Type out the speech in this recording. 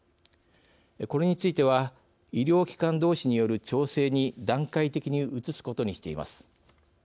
これについては医療機関同士による調整に段階的に移すことにしています。